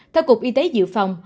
theo cục y tế dự phòng